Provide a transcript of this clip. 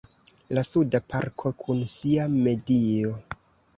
La Suda parko kun sia medio.